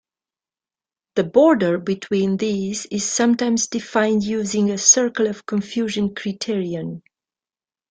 The border between these is sometimes defined using a circle of confusion criterion.